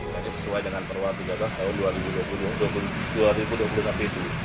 tadi sesuai dengan perwaktu jadwal tahun dua ribu dua puluh abu itu